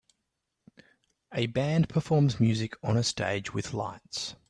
A band performs music on a stage with lights.